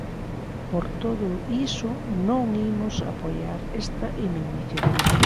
Por todo iso non imos apoiar esta iniciativa.